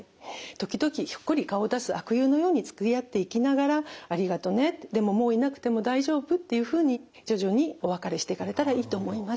時々ひょっこり顔を出す悪友のようにつきあっていきながら「ありがとね。でももういなくても大丈夫」っていうふうに徐々にお別れしていかれたらいいと思います。